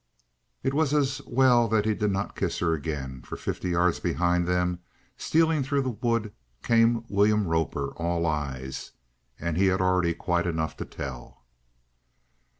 It was as well that he did not kiss her again, for fifty yards behind them, stealing through the wood, came William Roper, all eyes. And he had already quite enough to tell.